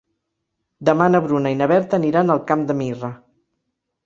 Demà na Bruna i na Berta aniran al Camp de Mirra.